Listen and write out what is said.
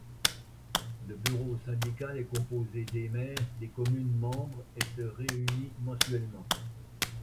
Le bureau syndical est composé des maires des communes membres et se réunit mensuellement.